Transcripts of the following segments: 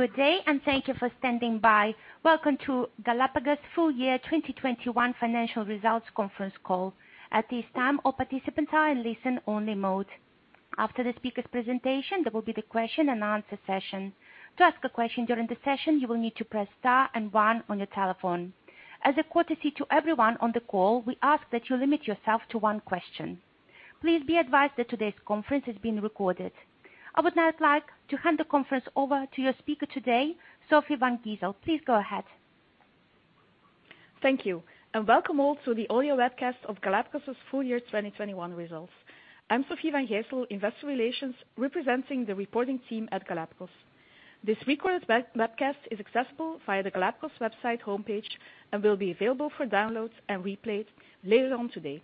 Good day, and thank you for standing by. Welcome to Galapagos' full year 2021 financial results conference call. At this time, all participants are in listen only mode. After the speaker's presentation, there will be the question and answer session. To ask a question during the session, you will need to press Star and One on your telephone. As a courtesy to everyone on the call, we ask that you limit yourself to one question. Please be advised that today's conference is being recorded. I would now like to hand the conference over to your speaker today, Sofie Van Gijsel. Please go ahead. Thank you, and welcome all to the audio webcast of Galapagos' full year 2021 results. I'm Sofie Van Gijsel, Investor Relations, representing the reporting team at Galapagos. This recorded webcast is accessible via the Galapagos website homepage and will be available for download and replay later on today.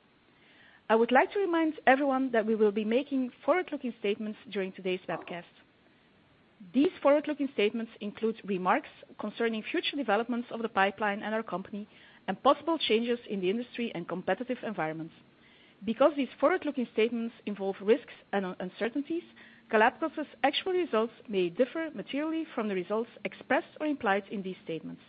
I would like to remind everyone that we will be making forward-looking statements during today's webcast. These forward-looking statements include remarks concerning future developments of the pipeline at our company and possible changes in the industry and competitive environments. Because these forward-looking statements involve risks and uncertainties, Galapagos' actual results may differ materially from the results expressed or implied in these statements.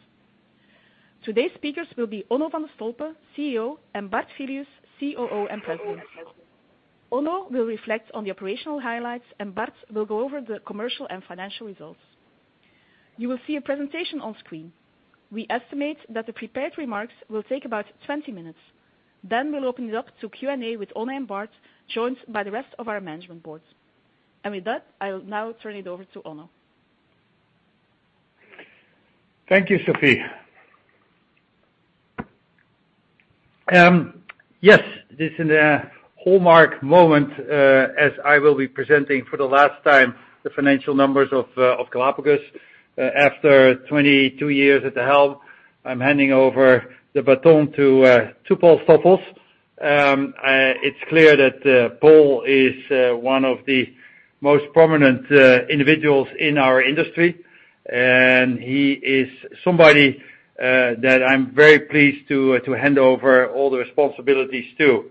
Today's speakers will be Onno van de Stolpe, CEO, and Bart Filius, COO and President. Onno will reflect on the operational highlights, and Bart will go over the commercial and financial results. You will see a presentation on screen. We estimate that the prepared remarks will take about 20 minutes. Then we'll open it up to Q&A with Onno and Bart, joined by the rest of our management Board. With that, I'll now turn it over to Onno. Thank you, Sofie. Yes, this is a hallmark moment, as I will be presenting for the last time the financial numbers of Galapagos. After 22 years at the helm, I'm handing over the baton to Paul Stoffels. It's clear that Paul is one of the most prominent individuals in our industry, and he is somebody that I'm very pleased to hand over all the responsibilities to.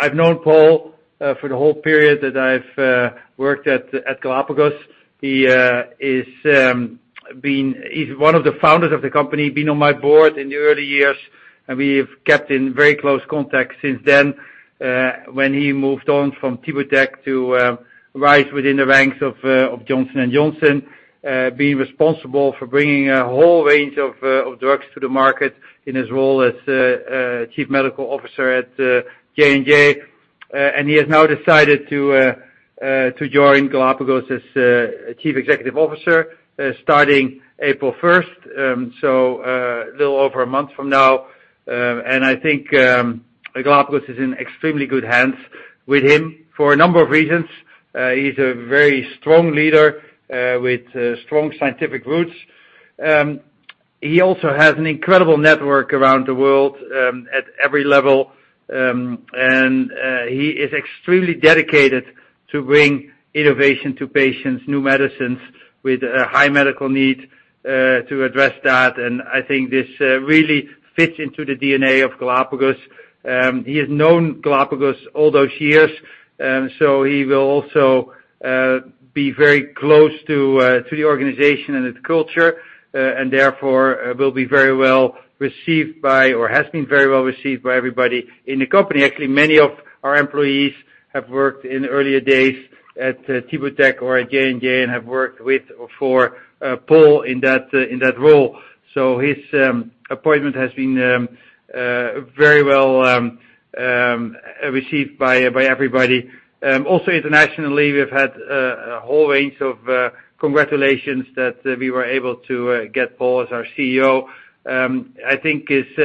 I've known Paul for the whole period that I've worked at Galapagos. He has been. He's one of the founders of the company, been on my Board in the early years, and we've kept in very close contact since then, when he moved on from Tibotec to rise within the ranks of Johnson & Johnson, being responsible for bringing a whole range of drugs to the market in his role as Chief Medical Officer at J&J. He has now decided to join Galapagos as Chief Executive Officer, starting April 1st, so a little over a month from now. I think Galapagos is in extremely good hands with him for a number of reasons. He's a very strong leader with strong scientific roots. He also has an incredible network around the world at every level. He is extremely dedicated to bring innovation to patients, new medicines with a high medical need, to address that. I think this really fits into the DNA of Galapagos. He has known Galapagos all those years, so he will also be very close to the organization and its culture, and therefore will be very well received by, or has been very well received by everybody in the company. Actually, many of our employees have worked in earlier days at Tibotec or at J&J and have worked with or for Paul in that role. His appointment has been very well received by everybody. Also internationally, we've had a whole range of congratulations that we were able to get Paul as our CEO. I think it's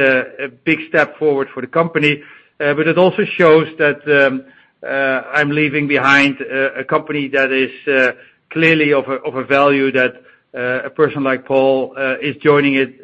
a big step forward for the company, but it also shows that I'm leaving behind a company that is clearly of a value that a person like Paul is joining it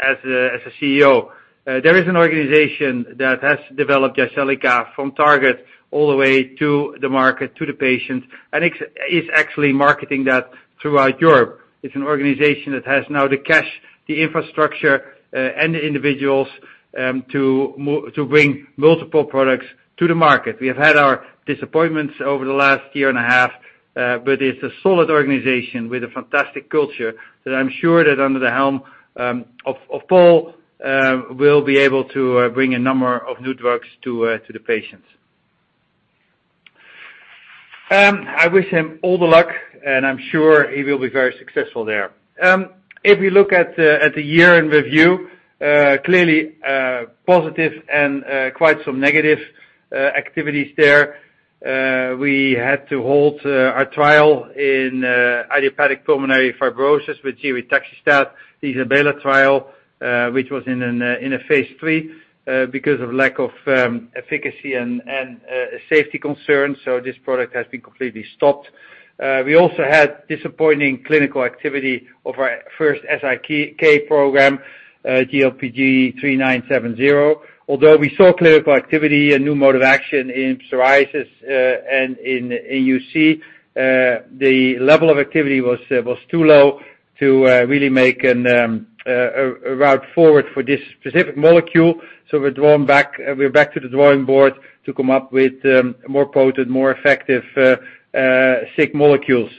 as a CEO. There is an organization that has developed Jyseleca from target all the way to the market, to the patient, and is actually marketing that throughout Europe. It's an organization that has now the cash, the infrastructure, and the individuals to bring multiple products to the market. We have had our disappointments over the last 1.5 years, but it's a solid organization with a fantastic culture that I'm sure that under the helm of Paul we'll be able to bring a number of new drugs to the patients. I wish him all the luck, and I'm sure he will be very successful there. If we look at the year in review, clearly positive and quite some negative activities there. We had to halt our trial in idiopathic pulmonary fibrosis with ziritaxestat, the ISABELA trial, which was in a phase III because of lack of efficacy and safety concerns. This product has been completely stopped. We also had disappointing clinical activity of our first SIK program, GLPG3970. Although we saw clinical activity, a new mode of action in psoriasis and in UC, the level of activity was too low to really make a route forward for this specific molecule. We're back to the drawing Board to come up with more potent, more effective SIK molecules.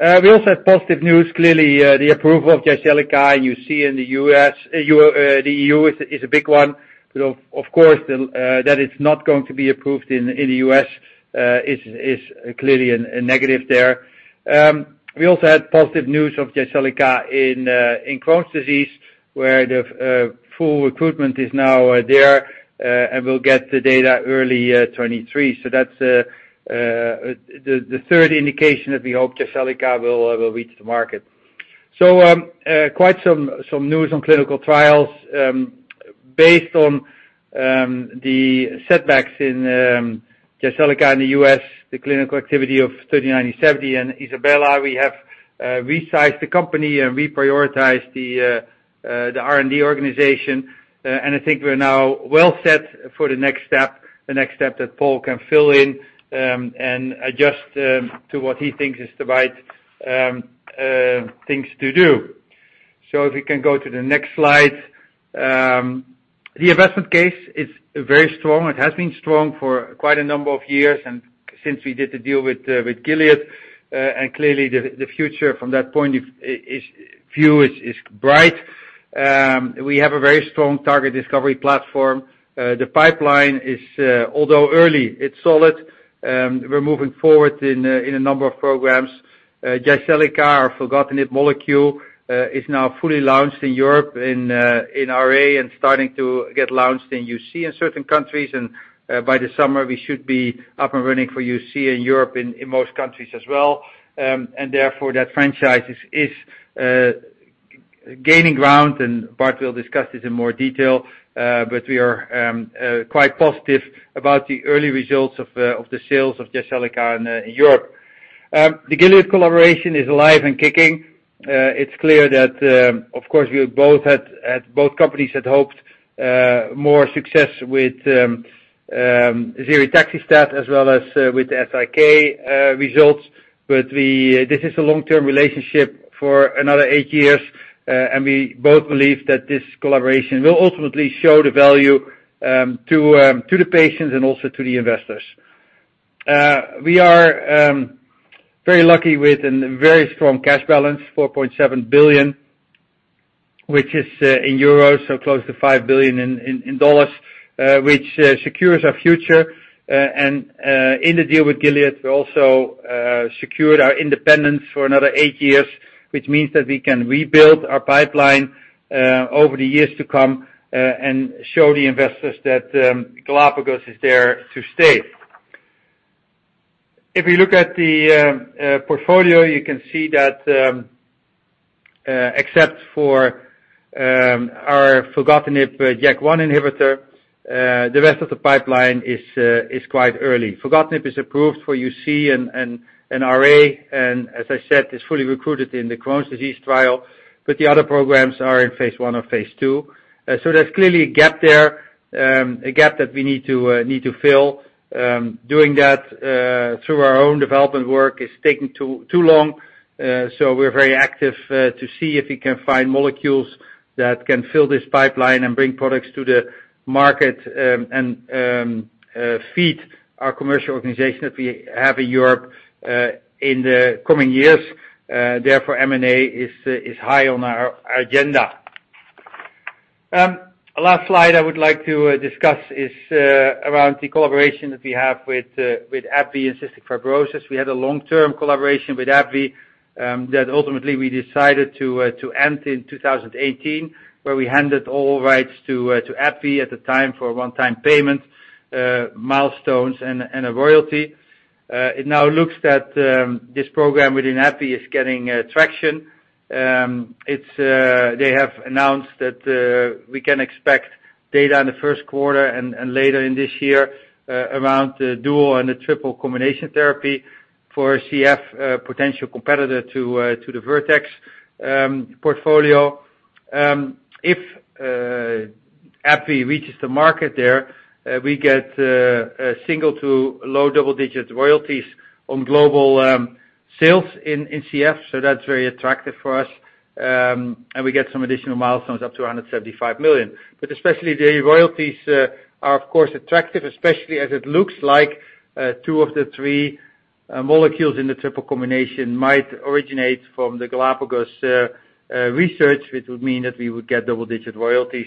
We also have positive news. Clearly, the approval of Jyseleca in UC in the EU is a big one. Of course, that it's not going to be approved in the U.S. is clearly a negative there. We also had positive news of Jyseleca in Crohn's disease, where full recruitment is now there, and we'll get the data early 2023. That's the third indication that we hope Jyseleca will reach the market. Quite some news on clinical trials. Based on the setbacks in Jyseleca in the U.S., the clinical activity of GLPG3970 and ISABELA, we have resized the company and reprioritized the R&D organization. I think we're now well set for the next step that Paul can fill in and adjust to what he thinks is the right things to do. If you can go to the next slide. The investment case is very strong. It has been strong for quite a number of years, and since we did the deal with Gilead, and clearly the future from that point of view is bright. We have a very strong target discovery platform. The pipeline is, although early, it's solid. We're moving forward in a number of programs. Jyseleca, our filgotinib molecule, is now fully launched in Europe in RA and starting to get launched in UC in certain countries. By the summer, we should be up and running for UC in Europe in most countries as well. Therefore that franchise is gaining ground, and Bart will discuss this in more detail. We are quite positive about the early results of the sales of Jyseleca in Europe. The Gilead collaboration is alive and kicking. It's clear that of course both companies had hoped for more success with ziritaxestat as well as with SIK results. This is a long-term relationship for another eight years, and we both believe that this collaboration will ultimately show the value to the patients and also to the investors. We are very lucky with a very strong cash balance, 4.7 billion, which is in euros, so close to $5 billion, which secures our future. In the deal with Gilead, we also secured our independence for another eight years, which means that we can rebuild our pipeline over the years to come and show the investors that Galapagos is there to stay. If you look at the portfolio, you can see that except for our filgotinib, JAK1 inhibitor, the rest of the pipeline is quite early. Filgotinib is approved for UC and RA, and as I said, is fully recruited in the Crohn's disease trial, but the other programs are in phase I or phase II. There's clearly a gap there, a gap that we need to fill. Doing that through our own development work is taking too long, so we're very active to see if we can find molecules that can fill this pipeline and bring products to the market, and feed our commercial organization that we have in Europe in the coming years. Therefore, M&A is high on our agenda. Last slide I would like to discuss is around the collaboration that we have with AbbVie and cystic fibrosis. We had a long-term collaboration with AbbVie that ultimately we decided to end in 2018, where we handed all rights to AbbVie at the time for a one-time payment, milestones and a royalty. It now looks that this program within AbbVie is gaining traction. They have announced that we can expect data in the first quarter and later in this year around the dual and the triple combination therapy for CF, potential competitor to the Vertex portfolio. If AbbVie reaches the market there, we get single- to low double-digit royalties on global sales in CF, so that's very attractive for us. We get some additional milestones up to 175 million. Especially the royalties are of course attractive, especially as it looks like two of the three molecules in the triple combination might originate from the Galapagos research, which would mean that we would get double-digit royalties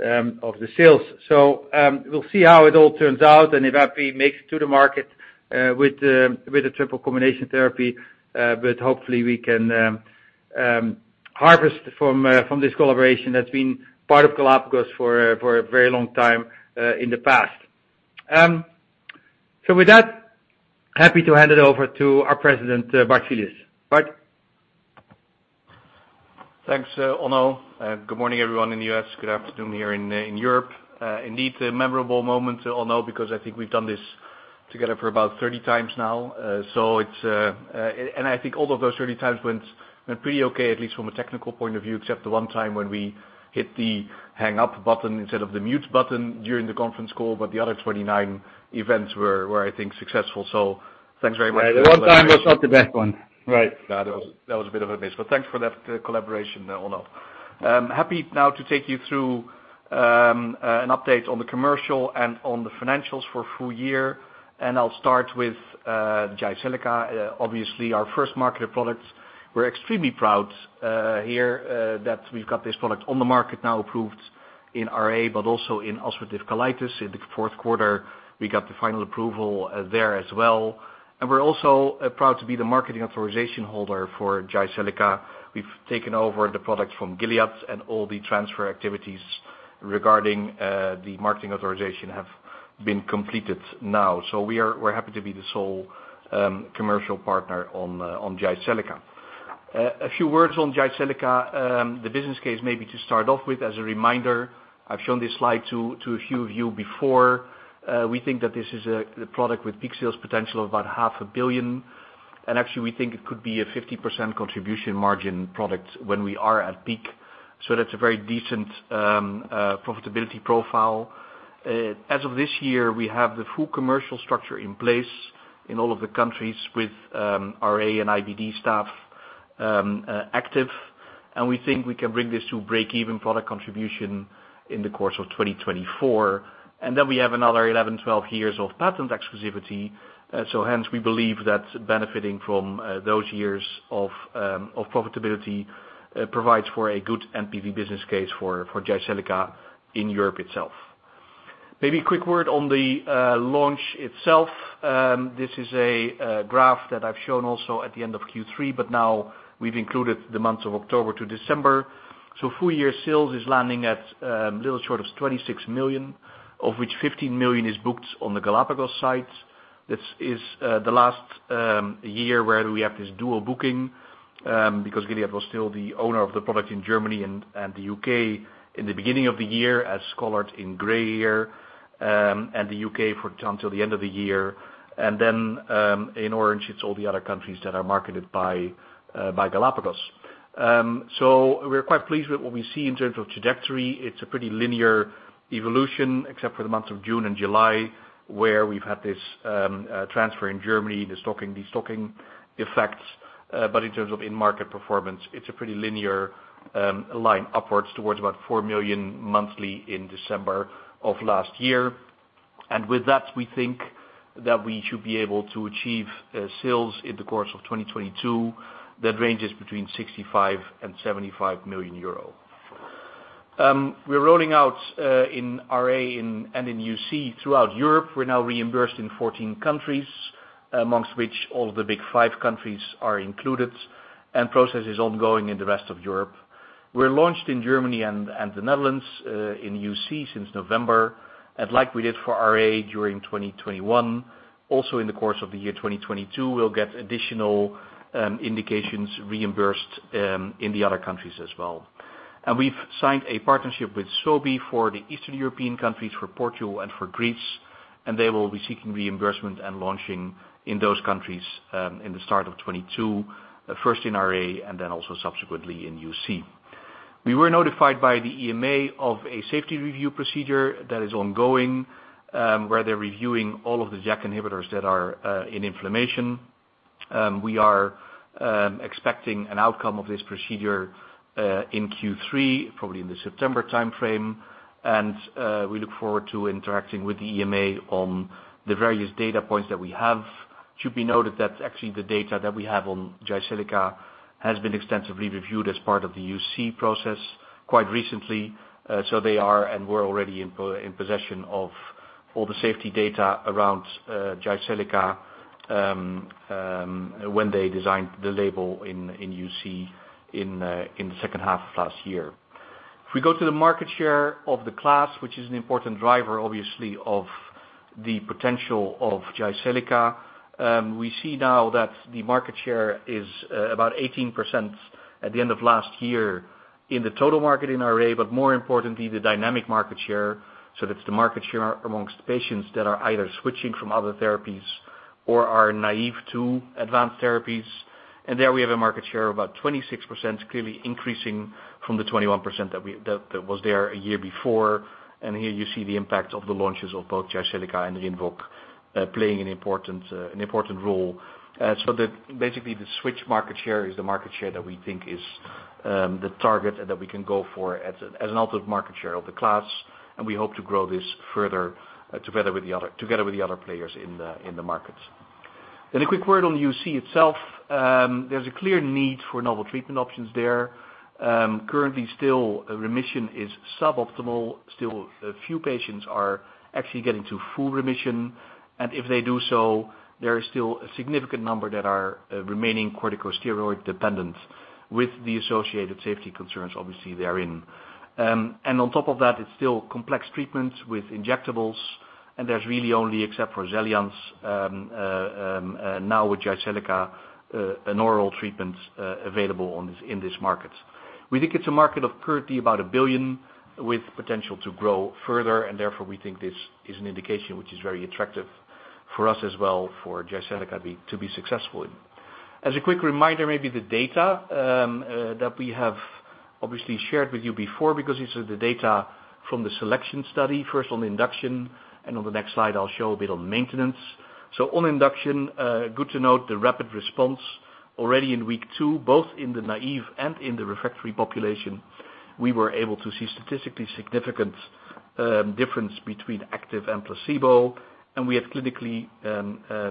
of the sales. We'll see how it all turns out and if AbbVie makes it to the market with the triple combination therapy, but hopefully we can harvest from this collaboration that's been part of Galapagos for a very long time in the past. With that, happy to hand it over to our President, Bart Filius. Bart? Thanks, Onno. Good morning, everyone in the U.S. Good afternoon here in Europe. Indeed a memorable moment, Onno, because I think we've done this together for about 30 times now. I think all of those 30 times went pretty okay, at least from a technical point of view, except the one time when we hit the hang up button instead of the mute button during the conference call, but the other 29 events were, I think, successful. Thanks very much. Right. That one time was not the best one. Right. Yeah, that was a bit of a miss. Thanks for that collaboration, Onno. I'm happy now to take you through an update on the commercial and on the financials for full year. I'll start with Jyseleca, obviously, our first marketed product. We're extremely proud here that we've got this product on the market now approved in RA, but also in ulcerative colitis. In the fourth quarter, we got the final approval there as well. We're also proud to be the marketing authorization holder for Jyseleca. We've taken over the product from Gilead, and all the transfer activities regarding the marketing authorization have been completed now. We're happy to be the sole commercial partner on Jyseleca. A few words on Jyseleca, the business case maybe to start off with. As a reminder, I've shown this slide to a few of you before. We think that this is the product with peak sales potential of about 500 million, and actually, we think it could be a 50% contribution margin product when we are at peak, so that's a very decent profitability profile. As of this year, we have the full commercial structure in place in all of the countries with RA and IBD staff active. We think we can bring this to break-even product contribution in the course of 2024. We have another 11-12 years of patent exclusivity, so hence we believe that benefiting from those years of profitability provides for a good NPV business case for Jyseleca in Europe itself. Maybe a quick word on the launch itself. This is a graph that I've shown also at the end of Q3, but now we've included the months of October to December. Full year sales is landing at little short of 26 million, of which 15 million is booked on the Galapagos site. This is the last year where we have this dual booking because Gilead was still the owner of the product in Germany and the U.K. in the beginning of the year, as colored in gray here, and the U.K. until the end of the year. In orange, it's all the other countries that are marketed by Galapagos. We're quite pleased with what we see in terms of trajectory. It's a pretty linear evolution, except for the months of June and July, where we've had this transfer in Germany, the stocking, de-stocking effects. In terms of in-market performance, it's a pretty linear line upwards towards about 4 million monthly in December of last year. With that, we think that we should be able to achieve sales in the course of 2022 that ranges between 65 million and 75 million euro. We're rolling out in RA and in UC throughout Europe. We're now reimbursed in 14 countries, among which all of the big five countries are included, and process is ongoing in the rest of Europe. We're launched in Germany and the Netherlands in UC since November. Like we did for RA during 2021, also in the course of the year 2022, we'll get additional indications reimbursed in the other countries as well. We've signed a partnership with Sobi for the Eastern European countries, for Portugal and for Greece, and they will be seeking reimbursement and launching in those countries in the start of 2022, first in RA and then also subsequently in UC. We were notified by the EMA of a safety review procedure that is ongoing, where they're reviewing all of the JAK inhibitors that are in inflammation. We are expecting an outcome of this procedure in Q3, probably in the September timeframe. We look forward to interacting with the EMA on the various data points that we have. should be noted that actually the data that we have on Jyseleca has been extensively reviewed as part of the UC process quite recently, so they are and were already in possession of all the safety data around Jyseleca, when they designed the label in UC in the second half of last year. If we go to the market share of the class, which is an important driver, obviously, of the potential of Jyseleca, we see now that the market share is about 18% at the end of last year in the total market in RA, but more importantly, the dynamic market share, so that's the market share amongst patients that are either switching from other therapies or are naive to advanced therapies. There we have a market share of about 26%, clearly increasing from the 21% that was there a year before. Here you see the impact of the launches of both Jyseleca and Rinvoq, playing an important role. So basically the switch market share is the market share that we think is the target that we can go for as an ultimate market share of the class. We hope to grow this further together with the other players in the market. A quick word on UC itself. There's a clear need for novel treatment options there. Currently still, remission is suboptimal. Still a few patients are actually getting to full remission. If they do so, there is still a significant number that are remaining corticosteroid dependent with the associated safety concerns, obviously, therein. On top of that, it's still complex treatments with injectables. There's really only, except for Xeljanz, now with Jyseleca, an oral treatment available in this market. We think it's a market of currently about 1 billion with potential to grow further. We think this is an indication which is very attractive for us as well, for Jyseleca to be successful in. As a quick reminder, maybe the data that we have obviously shared with you before, because this is the data from the SELECTION study, first on induction, and on the next slide I'll show a bit on maintenance. On induction, good to note the rapid response already in week two, both in the naive and in the refractory population, we were able to see statistically significant difference between active and placebo, and we have clinically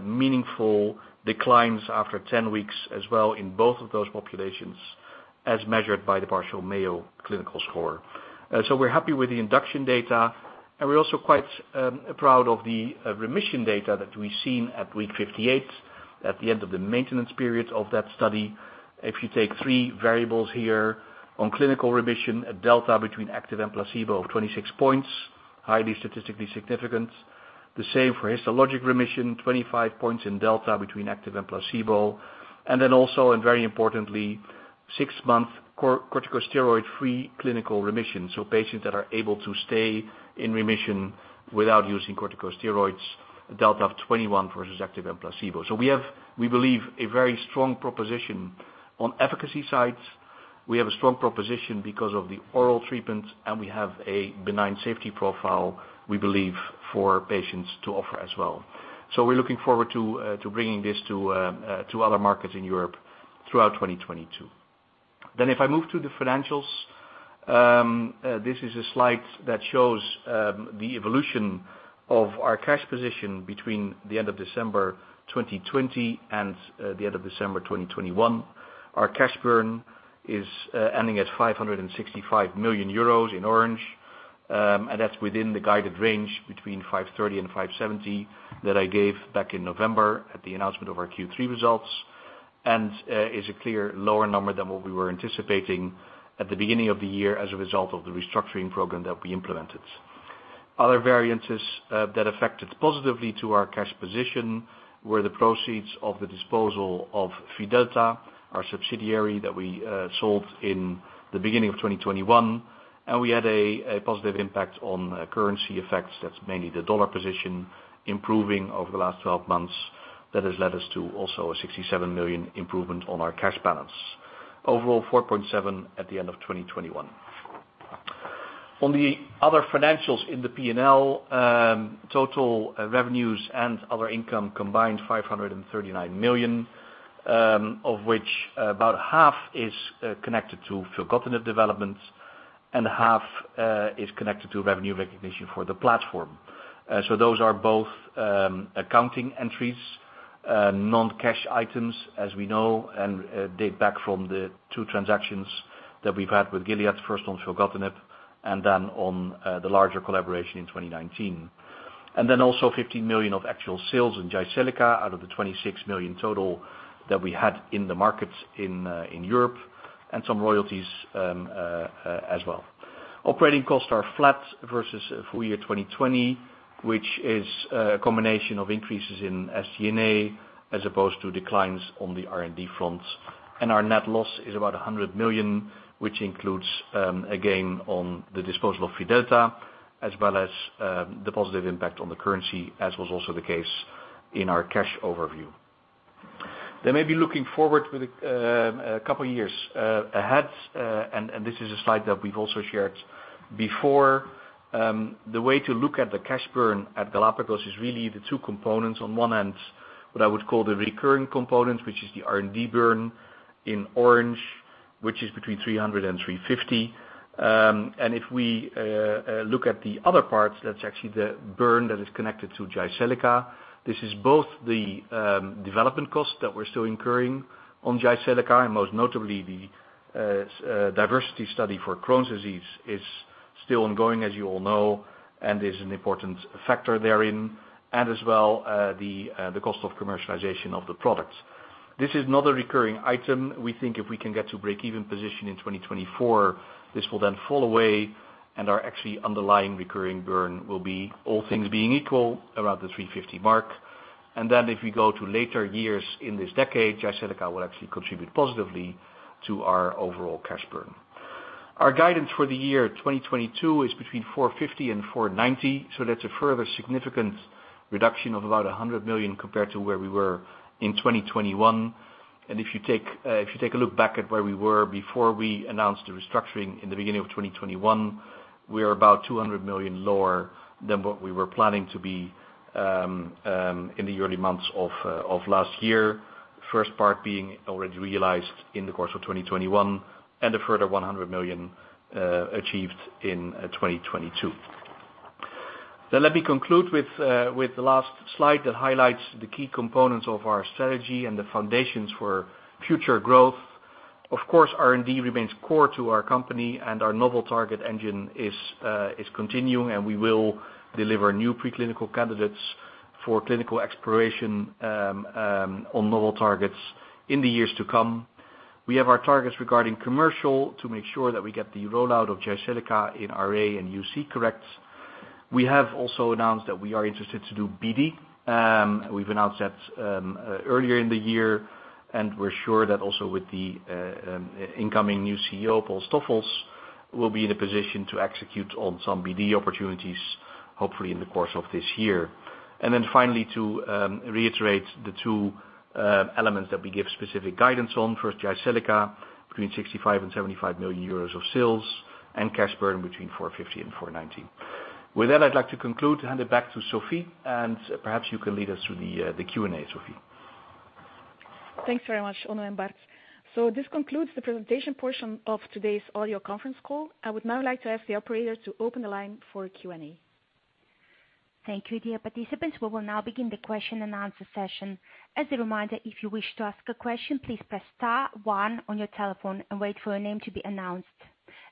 meaningful declines after 10 weeks as well in both of those populations, as measured by the partial Mayo score. We're happy with the induction data, and we're also quite proud of the remission data that we've seen at week 58, at the end of the maintenance period of that study. If you take three variables here on clinical remission, a delta between active and placebo of 26 points, highly statistically significant. The same for histologic remission, 25 points in delta between active and placebo. Then also, and very importantly, six-month corticosteroid-free clinical remission. Patients that are able to stay in remission without using corticosteroids, a delta of 21 versus active and placebo. We have, we believe, a very strong proposition. On efficacy side, we have a strong proposition because of the oral treatment, and we have a benign safety profile, we believe, for patients to offer as well. We're looking forward to bringing this to other markets in Europe throughout 2022. If I move to the financials, this is a slide that shows the evolution of our cash position between the end of December 2020 and the end of December 2021. Our cash burn is ending at 565 million euros in orange, and that's within the guided range between 530 million and 570 million that I gave back in November at the announcement of our Q3 results, and is a clear lower number than what we were anticipating at the beginning of the year as a result of the restructuring program that we implemented. Other variances that affected positively to our cash position were the proceeds of the disposal of Fidelta, our subsidiary that we sold in the beginning of 2021. We had a positive impact on currency effects. That's mainly the dollar position improving over the last 12 months that has led us to also a 67 million improvement on our cash balance. Overall, 4.7 billion at the end of 2021. On the other financials in the P&L, total revenues and other income combined, 539 million, of which about half is connected to filgotinib development and half is connected to revenue recognition for the platform. So those are both accounting entries, non-cash items, as we know, and date back from the two transactions that we've had with Gilead, first on filgotinib and then on the larger collaboration in 2019. Then also 50 million of actual sales in Jyseleca out of the 26 million total that we had in the markets in Europe and some royalties, as well. Operating costs are flat versus full year 2020, which is a combination of increases in SG&A as opposed to declines on the R&D front. Our net loss is about 100 million, which includes, again, on the disposal of Fidelta, as well as the positive impact on the currency, as was also the case in our cash overview. Maybe looking forward with a couple years ahead. This is a slide that we've also shared before. The way to look at the cash burn at Galapagos is really the two components. On one end, what I would call the recurring component, which is the R&D burn in orange, which is between 300 million and 350 million. If we look at the other parts, that's actually the burn that is connected to Jyseleca. This is both the development cost that we're still incurring on Jyseleca, and most notably, the DIVERSITY study for Crohn's disease is still ongoing, as you all know, and is an important factor therein, and as well, the cost of commercialization of the product. This is not a recurring item. We think if we can get to breakeven position in 2024, this will then fall away and our actually underlying recurring burn will be, all things being equal, around the 350 million mark. If we go to later years in this decade, Jyseleca will actually contribute positively to our overall cash burn. Our guidance for the year 2022 is between 450 million and 490 million, so that's a further significant reduction of about 100 million compared to where we were in 2021. If you take a look back at where we were before we announced the restructuring in the beginning of 2021, we are about 200 million lower than what we were planning to be in the early months of last year. First part being already realized in the course of 2021 and a further 100 million achieved in 2022. Let me conclude with the last slide that highlights the key components of our strategy and the foundations for future growth. Of course, R&D remains core to our company and our novel target engine is continuing, and we will deliver new preclinical candidates for clinical exploration on novel targets in the years to come. We have our targets regarding commercial to make sure that we get the rollout of Jyseleca in RA and UC correct. We have also announced that we are interested to do BD. We've announced that earlier in the year, and we're sure that also with the incoming new CEO, Paul Stoffels, we'll be in a position to execute on some BD opportunities, hopefully in the course of this year. Finally, to reiterate the two elements that we give specific guidance on. First, Jyseleca, between 65 million and 75 million euros of sales. Cash burn between 450 million and 490 million. With that, I'd like to conclude and hand it back to Sofie, and perhaps you can lead us through the Q&A, Sofie? Thanks very much, Onno and Bart. This concludes the presentation portion of today's audio conference call. I would now like to ask the operator to open the line for Q&A. Thank you, dear participants. We will now begin the question-and-answer session. As a reminder, if you wish to ask a question, please press star one on your telephone and wait for your name to be announced.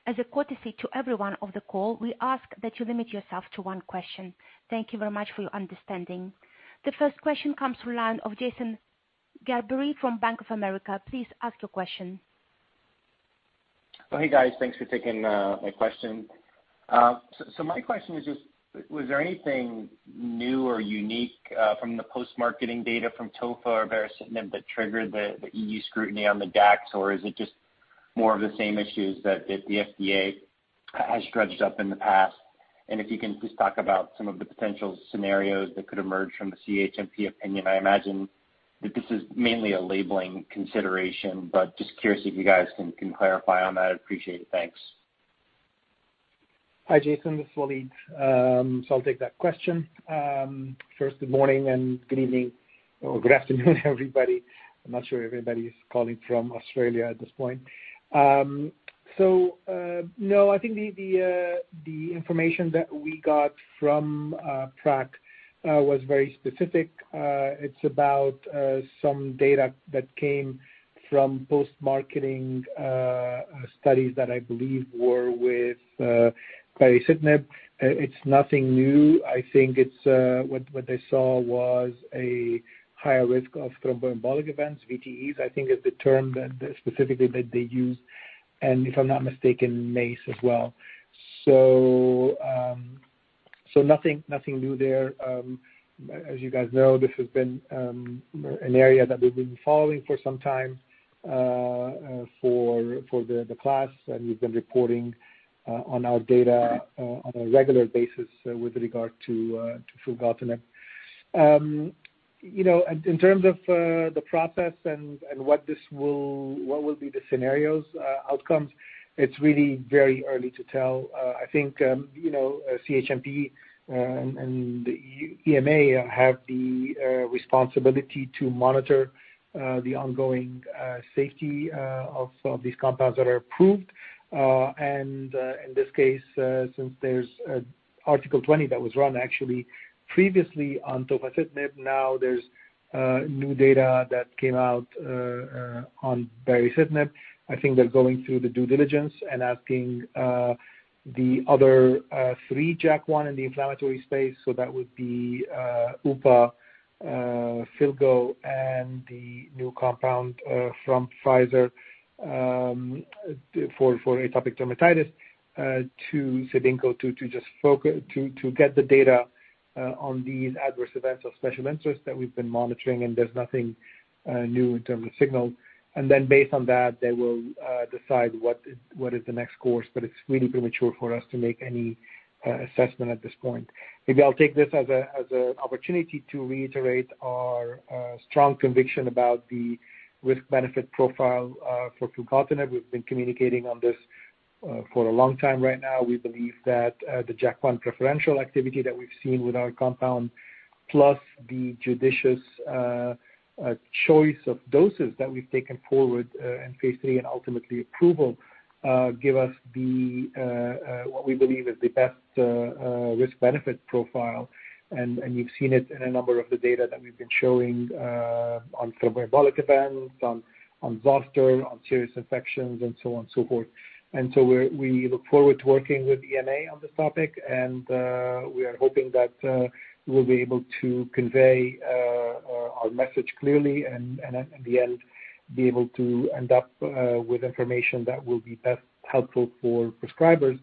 As a courtesy to everyone on the call, we ask that you limit yourself to one question. Thank you very much for your understanding. The first question comes from the line of Jason Gerberry from Bank of America. Please ask your question. Oh, hey, guys. Thanks for taking my question. So my question is just, was there anything new or unique from the post-marketing data from tofacitinib or baricitinib that triggered the EU scrutiny on the JAKs? Or is it just more of the same issues that the FDA has dredged up in the past? If you can just talk about some of the potential scenarios that could emerge from the CHMP opinion. I imagine that this is mainly a labeling consideration. Just curious if you guys can clarify on that. Appreciate it. Thanks. Hi, Jason. This is Walid. I'll take that question. First, good morning and good evening or good afternoon, everybody. I'm not sure if everybody is calling from Australia at this point. No, I think the information that we got from PRAC was very specific. It's about some data that came from post-marketing studies that I believe were with baricitinib. It's nothing new. I think it's what they saw was a higher risk of thromboembolic events. VTEs, I think, is the term that specifically that they use, and if I'm not mistaken, MACE as well. Nothing new there. As you guys know, this has been an area that we've been following for some time for the class, and we've been reporting on our data on a regular basis with regard to filgotinib. You know, in terms of the process and what will be the scenarios, outcomes, it's really very early to tell. I think you know, CHMP and the EMA have the responsibility to monitor the ongoing safety of some of these compounds that are approved. In this case, since there's Article 20 that was run actually previously on tofacitinib, now there's new data that came out on baricitinib. I think they're going through the due diligence and asking the other three JAK1 in the inflammatory space. That would be upadacitinib, filgotinib and the new compound from Pfizer for atopic dermatitis, that's CIBINQO to just focus to get the data on these adverse events of special interest that we've been monitoring. There's nothing new in terms of signal. Then based on that, they will decide what is the next course. It's really premature for us to make any assessment at this point. Maybe I'll take this as an opportunity to reiterate our strong conviction about the risk-benefit profile for filgotinib. We've been communicating on this for a long time. Right now, we believe that the JAK1 preferential activity that we've seen with our compound, plus the judicious choice of doses that we've taken forward in phase III and ultimately approval, give us what we believe is the best risk-benefit profile. You've seen it in a number of the data that we've been showing on thromboembolic events, on Zoster, on serious infections and so on and so forth. We look forward to working with EMA on this topic. We are hoping that we'll be able to convey our message clearly and at the end be able to end up with information that will be best helpful for prescribers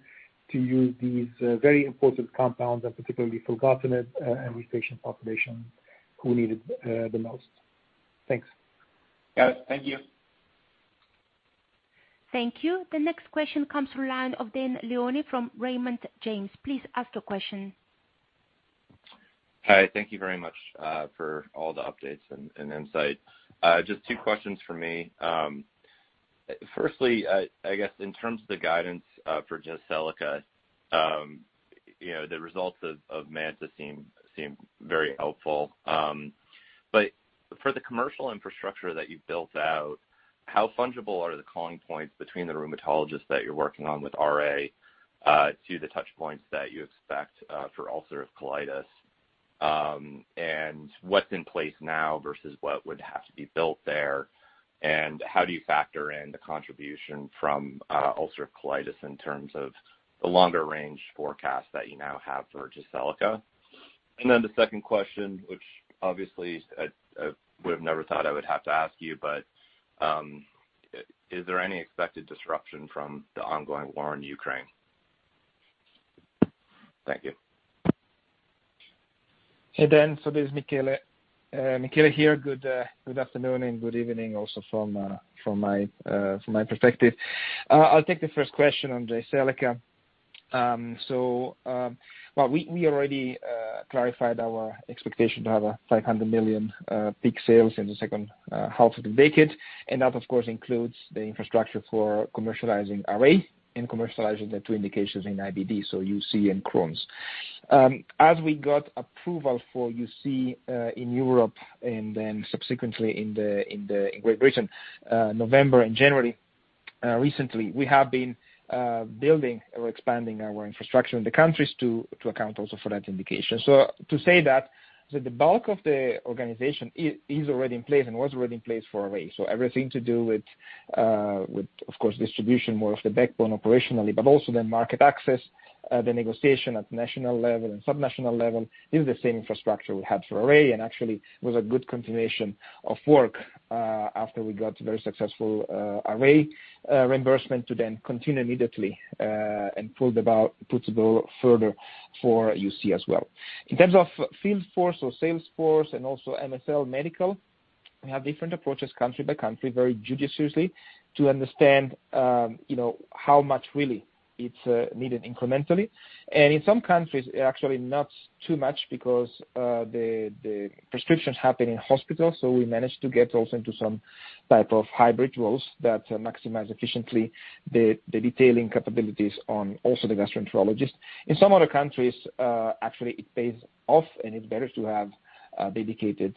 to use these very important compounds and particularly filgotinib and with patient population who need it the most. Thanks. Got it. Thank you. Thank you. The next question comes from the line of Dane Leone from Raymond James. Please ask your question. Hi. Thank you very much for all the updates and insight. Just two questions from me. Firstly, I guess in terms of the guidance for Jyseleca, you know, the results of MANTA seem very helpful. But for the commercial infrastructure that you've built out, how fungible are the calling points between the rheumatologists that you're working on with RA to the touch points that you expect for ulcerative colitis? And what's in place now versus what would have to be built there? And how do you factor in the contribution from ulcerative colitis in terms of the longer-range forecast that you now have for Jyseleca? The second question, which obviously I would have never thought I would have to ask you, but, is there any expected disruption from the ongoing war in Ukraine? Thank you. Hey, Dane. There's Michele. Michele here. Good afternoon and good evening also from my perspective. I'll take the first question on Jyseleca. Well, we already clarified our expectation to have 500 million peak sales in the second half of the decade. That, of course, includes the infrastructure for commercializing RA and commercializing the two indications in IBD, so UC and Crohn's. As we got approval for UC in Europe and then subsequently in Great Britain, November and January recently, we have been building or expanding our infrastructure in the countries to account also for that indication. To say that the bulk of the organization is already in place and was already in place for RA. Everything to do with, of course, distribution, more of the backbone operationally, but also then market access, the negotiation at national level and sub-national level is the same infrastructure we had for RA, and actually was a good continuation of work, after we got very successful RA reimbursement to then continue immediately, and put to go further for UC as well. In terms of field force or sales force and also MSL medical, we have different approaches country by country, very judiciously to understand, you know, how much really it's needed incrementally. In some countries, actually not too much because the prescriptions happen in hospitals, so we managed to get also into some type of hybrid roles that maximize efficiently the detailing capabilities on also the gastroenterologist. In some other countries, actually it pays off, and it's better to have dedicated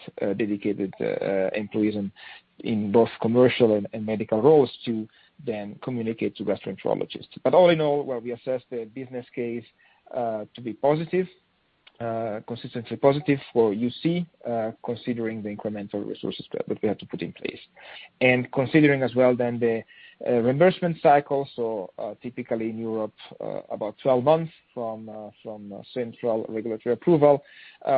employees in both commercial and medical roles to then communicate to gastroenterologists. All in all, while we assess the business case to be positive, consistently positive for UC, considering the incremental resources that we have to put in place. Considering as well the reimbursement cycle, typically in Europe, about 12 months from central regulatory approval,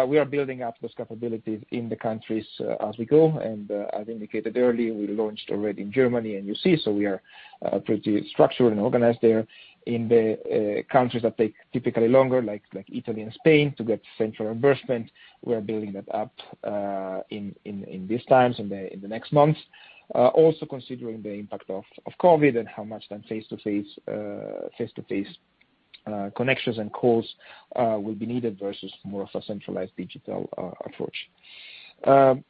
we are building up those capabilities in the countries, as we go. As indicated earlier, we launched already in Germany and UC, so we are pretty structured and organized there. In the countries that take typically longer, like Italy and Spain, to get central reimbursement, we're building that up in these times, in the next months, also considering the impact of COVID-19 and how much then face-to-face connections and calls will be needed versus more of a centralized digital approach.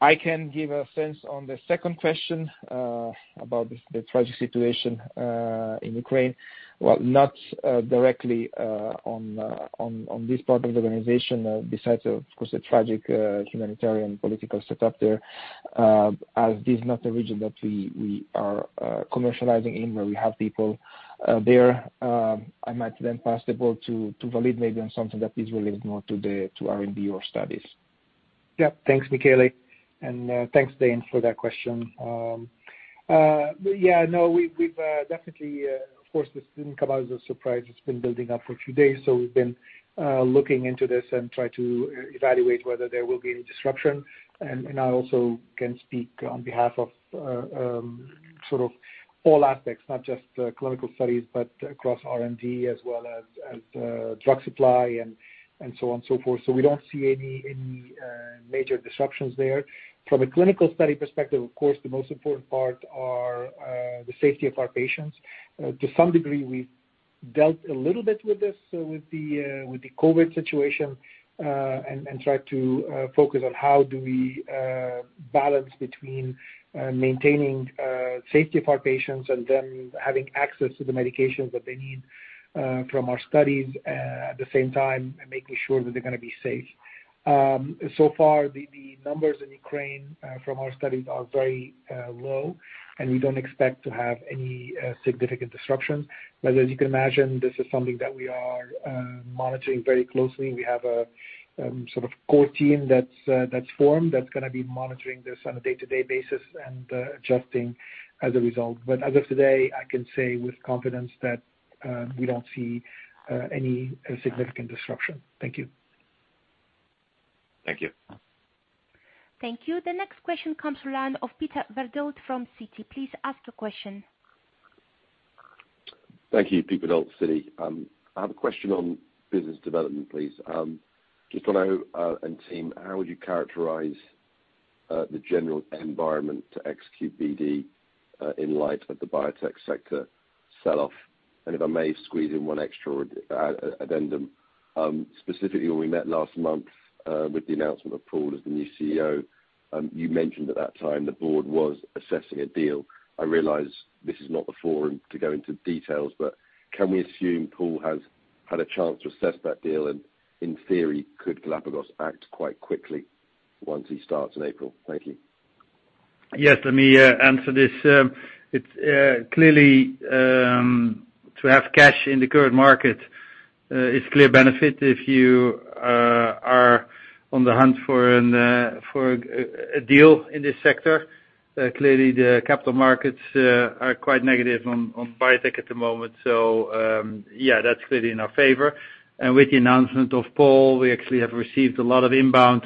I can give a sense on the second question about the tragic situation in Ukraine. Well, not directly on this part of the organization. Besides, of course, the tragic humanitarian political setup there, as this is not the region that we are commercializing in, where we have people there, I might then pass the ball to Walid maybe on something that is related more to the R&D or studies. Yeah. Thanks, Michele. Thanks, Dane, for that question. Yeah, no, we've definitely, of course, this didn't come out as a surprise. It's been building up for a few days, so we've been looking into this and try to evaluate whether there will be any disruption. I also can speak on behalf of, sort of all aspects, not just clinical studies, but across R&D as well as drug supply and so on and so forth. We don't see any major disruptions there. From a clinical study perspective, of course, the most important part are the safety of our patients. To some degree, we've dealt a little bit with this with the COVID-19 situation, and try to focus on how do we balance between maintaining safety of our patients and them having access to the medications that they need from our studies at the same time making sure that they're gonna be safe. So far the numbers in Ukraine from our studies are very low, and we don't expect to have any significant disruption. As you can imagine, this is something that we are monitoring very closely. We have a sort of core team that's formed that's gonna be monitoring this on a day-to-day basis and adjusting as a result. As of today, I can say with confidence that we don't see any significant disruption. Thank you. Thank you. Thank you. The next question comes from Peter Verdult from Citi. Please ask the question. Thank you. Peter Verdult, Citi. I have a question on business development, please. Just wanna know, and team, how would you characterize the general environment to execute BD in light of the biotech sector sell-off? If I may squeeze in one extra addendum, specifically when we met last month with the announcement of Paul as the new CEO, you mentioned at that time the Board was assessing a deal. I realize this is not the forum to go into details, but can we assume Paul has had a chance to assess that deal? In theory, could Galapagos act quite quickly once he starts in April? Thank you. Yes. Let me answer this. It's clearly to have cash in the current market is clear benefit if you are on the hunt for a deal in this sector. Clearly the capital markets are quite negative on biotech at the moment. Yeah, that's clearly in our favor. With the announcement of Paul, we actually have received a lot of inbound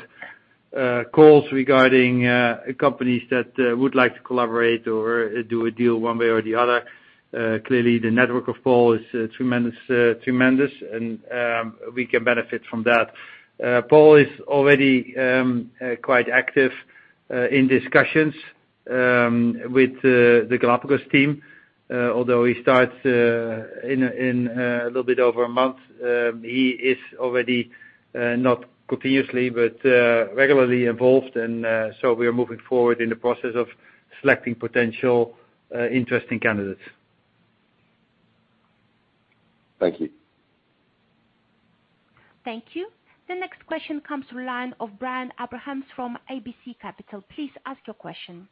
calls regarding companies that would like to collaborate or do a deal one way or the other. Clearly the network of Paul is tremendous, and we can benefit from that. Paul is already quite active. In discussions with the Galapagos team, although he starts in a little bit over a month, he is already not continuously, but regularly involved, and so we are moving forward in the process of selecting potential interesting candidates. Thank you. Thank you. The next question comes from the line of Brian Abrahams from RBC Capital Markets. Please ask your question.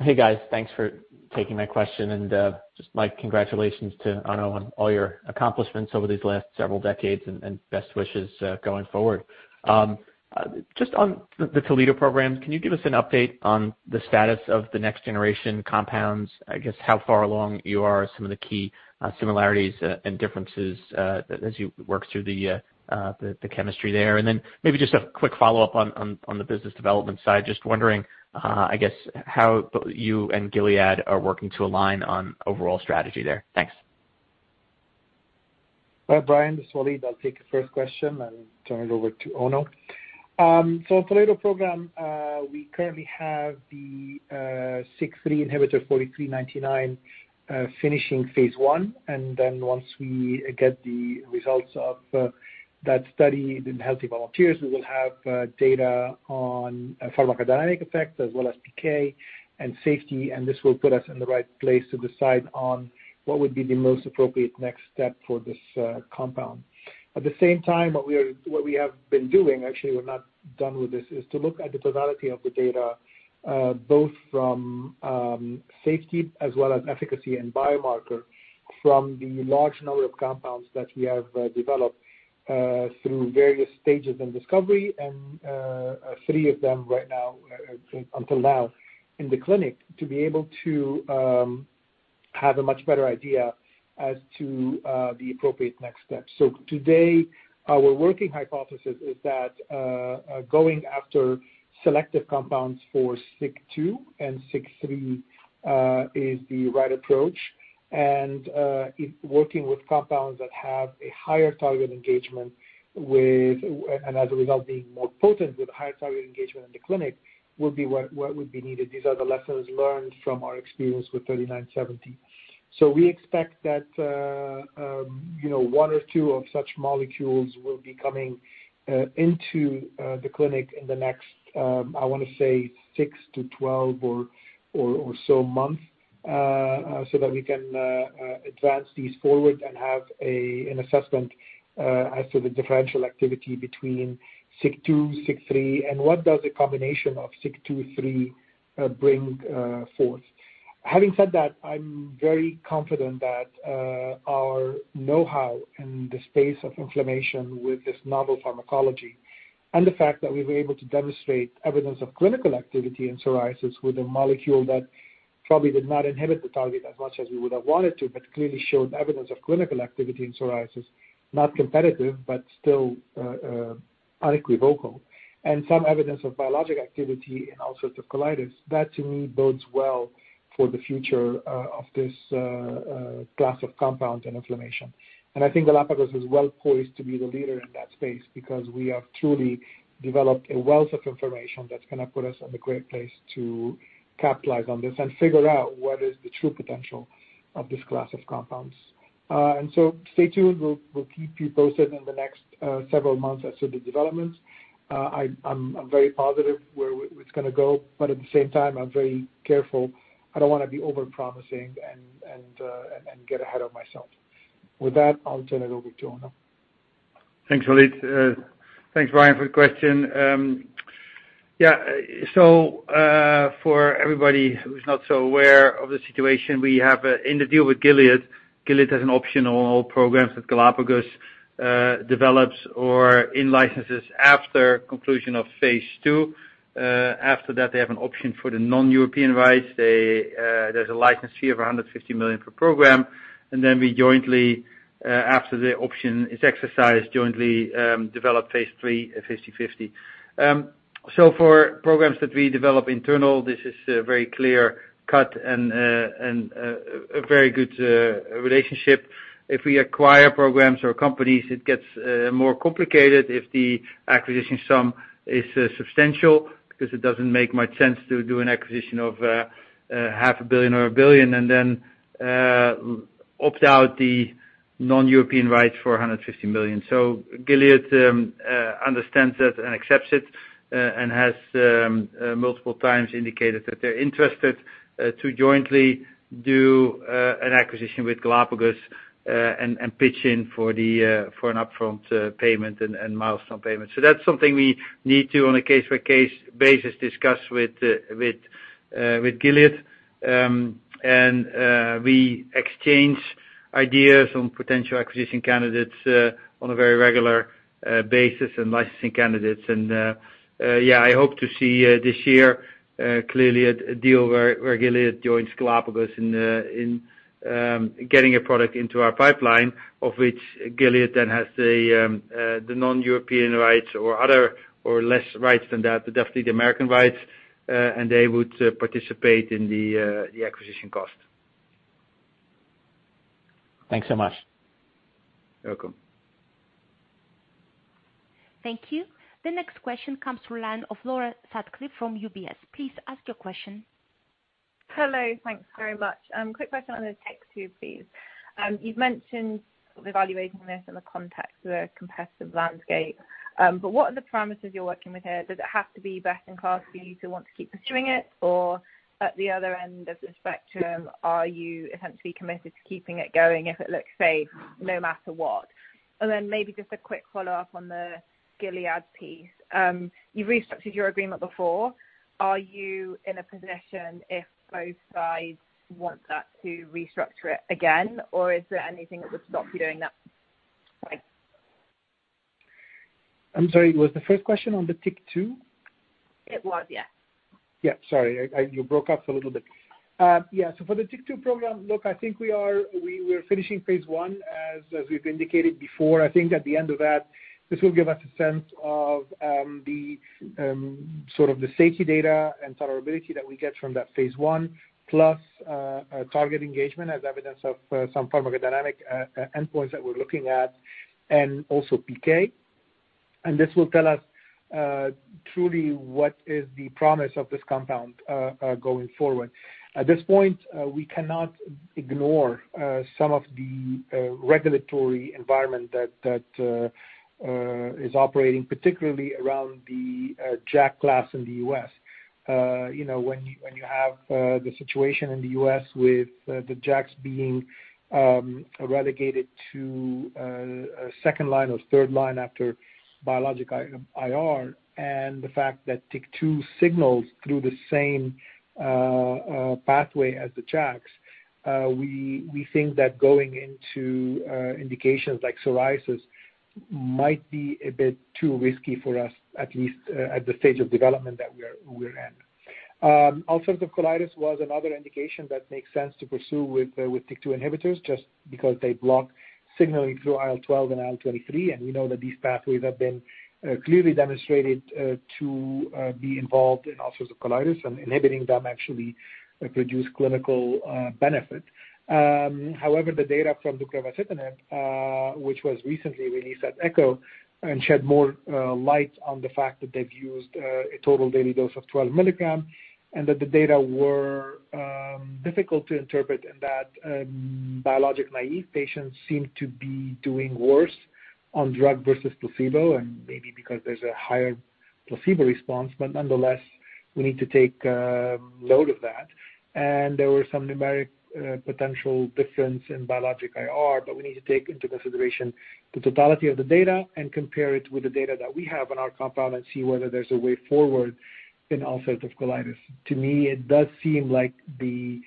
Hey guys. Thanks for taking my question. Just my congratulations to Onno on all your accomplishments over these last several decades and best wishes going forward. Just on the Toledo programs, can you give us an update on the status of the next generation compounds? I guess, how far along you are, some of the key similarities and differences as you work through the chemistry there? Maybe just a quick follow-up on the business development side. Just wondering, I guess how you and Gilead are working to align on overall strategy there. Thanks. Brian, this is Walid. I'll take the first question and turn it over to Onno. So Toledo program, we currently have the SIK3 inhibitor '4399 finishing phase I. Once we get the results of that study in healthy volunteers, we will have data on pharmacodynamic effects as well as PK and safety. This will put us in the right place to decide on what would be the most appropriate next step for this compound. At the same time, what we have been doing, actually we're not done with this, is to look at the totality of the data, both from safety as well as efficacy and biomarker from the large number of compounds that we have developed through various stages in discovery. Three of them right now, until now in the clinic to be able to have a much better idea as to the appropriate next steps. Today, our working hypothesis is that going after selective compounds for SIK2 and SIK3 is the right approach. If working with compounds that have a higher target engagement with and as a result, being more potent with higher target engagement in the clinic will be what would be needed. These are the lessons learned from our experience with '3970. We expect that, you know, one or two of such molecules will be coming into the clinic in the next, I wanna say six to 12 or so months, so that we can advance these forward and have an assessment as to the differential activity between SIK2, SIK3, and what does a combination of SIK2, SIK3 bring forth. Having said that, I'm very confident that, our know-how in the space of inflammation with this novel pharmacology and the fact that we were able to demonstrate evidence of clinical activity in psoriasis with a molecule that probably did not inhibit the target as much as we would have wanted to, but clearly showed evidence of clinical activity in psoriasis, not competitive, but still, unequivocal. Some evidence of biologic activity in all sorts of colitis, that to me bodes well for the future, of this class of compound and inflammation. I think Galapagos is well poised to be the leader in that space because we have truly developed a wealth of information that's gonna put us in a great place to capitalize on this and figure out what is the true potential of this class of compounds. Stay tuned. We'll keep you posted in the next several months as to the developments. I'm very positive where it's gonna go, but at the same time, I'm very careful. I don't wanna be over promising and get ahead of myself. With that, I'll turn it over to Onno. Thanks, Walid. Thanks, Brian, for the question. Yeah, for everybody who's not so aware of the situation we have in the deal with Gilead has an option on all programs that Galapagos develops or in-licenses after conclusion of phase II. After that, they have an option for the non-European rights. There's a license fee of 150 million per program, and then we jointly, after the option is exercised jointly, develop phase III at 50/50. For programs that we develop internally, this is very clear cut and a very good relationship. If we acquire programs or companies, it gets more complicated if the acquisition sum is substantial because it doesn't make much sense to do an acquisition of 500 million or 1 billion, and then opt out the non-European rights for 150 million. Gilead understands it and accepts it and has multiple times indicated that they're interested to jointly do an acquisition with Galapagos and pitch in for an upfront payment and milestone payment. That's something we need to, on a case-by-case basis, discuss with Gilead. We exchange ideas on potential acquisition candidates on a very regular basis and licensing candidates. I hope to see this year clearly a deal where Gilead joins Galapagos in getting a product into our pipeline, of which Gilead then has the non-European rights or other or less rights than that, but definitely the American rights. They would participate in the acquisition cost. Thanks so much. You're welcome. Thank you. The next question comes from the line of Laura Sutcliffe from UBS. Please ask your question. Hello. Thanks very much. Quick question on the TYK2, please. You've mentioned evaluating this in the context of a competitive landscape. What are the parameters you're working with here? Does it have to be best in class for you to want to keep pursuing it? Or at the other end of the spectrum, are you essentially committed to keeping it going if it looks safe no matter what? Maybe just a quick follow-up on the Gilead piece. You restructured your agreement before. Are you in a position if both sides want that, to restructure it again, or is there anything that would stop you doing that? Thanks. I'm sorry. Was the first question on the TYK2? It was, yes. Sorry, you broke up a little bit. Yeah. For the TYK2 program, look, I think we're finishing phase I, as we've indicated before. I think at the end of that, this will give us a sense of sort of the safety data and tolerability that we get from that phase I, plus a target engagement as evidence of some pharmacodynamic endpoints that we're looking at and also PK. This will tell us truly what is the promise of this compound going forward. At this point, we cannot ignore some of the regulatory environment that is operating, particularly around the JAK class in the U.S. You know when you have the situation in the U.S. with the JAKs being relegated to a second line or third line after biologic IR, and the fact that TYK2 signals through the same pathway as the JAKs, we think that going into indications like psoriasis might be a bit too risky for us, at least at the stage of development that we're in. Ulcerative colitis was another indication that makes sense to pursue with TYK2 inhibitors just because they block signaling through IL-12 and IL-23, and we know that these pathways have been clearly demonstrated to be involved in ulcerative colitis and inhibiting them actually produce clinical benefit. However, the data from deucravacitinib, which was recently released at ECCO and shed more light on the fact that they've used a total daily dose of 12 mg and that the data were difficult to interpret in that biologic-naive patients seem to be doing worse on drug versus placebo and maybe because there's a higher placebo response. Nonetheless, we need to take note of that. There were some numeric potential difference in biologic IR, but we need to take into consideration the totality of the data and compare it with the data that we have on our compound and see whether there's a way forward in ulcerative colitis. To me, it does seem like the